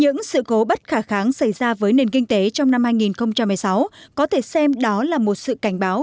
những sự cố bất khả kháng xảy ra với nền kinh tế trong năm hai nghìn một mươi sáu có thể xem đó là một sự cảnh báo